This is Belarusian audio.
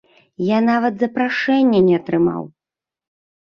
Я нават запрашэння не атрымаў!